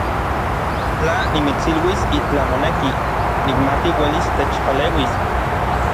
Tla nimitsiluis itlaj moneki, nikmati uelis techpaleuis.